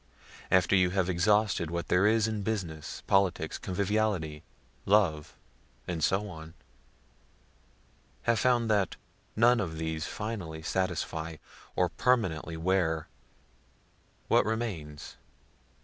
After you have exhausted what there is in business, politics, conviviality, love, and so on have found that none of these finally satisfy, or permanently wear what remains?